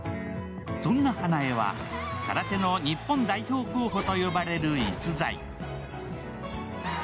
そんな花枝は空手の日本代表候補と呼ばれる逸材。